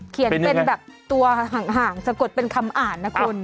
เขียนเป็นแบบตัวห่างสะกดเป็นคำอ่านนะคุณ